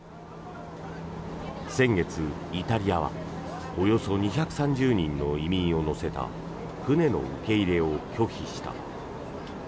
先月、イタリアはおよそ２３０人の移民を乗せた船の受け入れを拒否した。